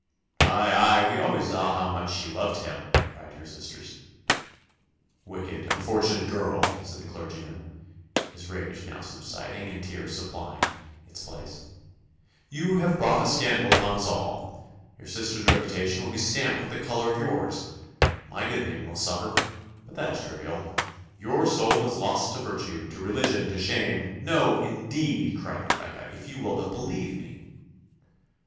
"Ay, ay, we always saw how much she loved him," cried her sisters. "Wicked, unfortunate girl!" said the clergyman (his rage now subsiding, and tears supplying its place), "you have brought a scandal upon us all: your sisters' reputation will be stamped with the colour of yours my good name will suffer: but that is trivial your soul is lost to virtue, to religion, to shame " "No, indeed!" cried Rebecca: "if you will but believe me."